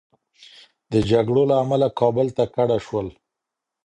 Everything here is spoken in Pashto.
د جګړو له امله کابل ته کډه شول.